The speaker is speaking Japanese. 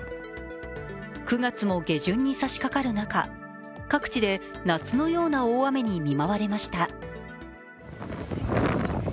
９月も下旬にさしかかる中各地で夏のような大雨に見舞われました。